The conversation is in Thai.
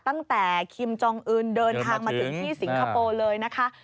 คิมจองอื่นเดินทางมาถึงที่สิงคโปร์เลยนะคะ